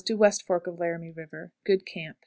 West Fork of Laramie River. Good camp.